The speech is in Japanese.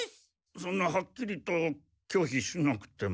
そんなはっきりときょひしなくても。